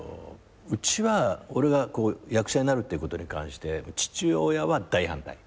うちは俺が役者になるってことに関して父親は大反対。